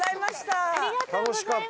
楽しかった。